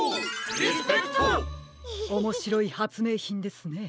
おもしろいはつめいひんですね。